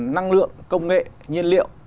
năng lượng công nghệ nhiên liệu